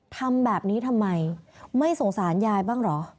ทำแบบนี้ทำไมไม่สงสารยายบ้างเหรอ